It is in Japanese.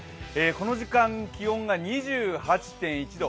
この時間、気温が２８．１度。